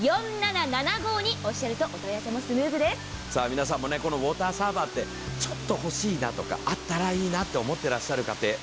皆さんもこのウォーターサーバーもちょっと欲しいなとかあったらいいなと思ってらっしゃる家庭。